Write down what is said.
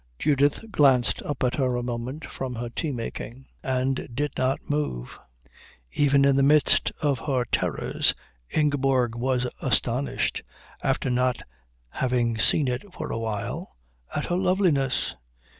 Judith glanced up at her a moment from her tea making and did not move. Even in the midst of her terrors Ingeborg was astonished, after not having seen it for a while, at her loveliness.